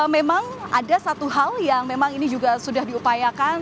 memang ada satu hal yang memang ini juga sudah diupayakan